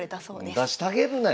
出してあげるなよ